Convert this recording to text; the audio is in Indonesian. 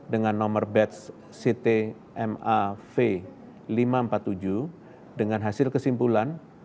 dengan nomor batch ctmav lima ratus empat puluh tujuh dengan hasil kesimpulan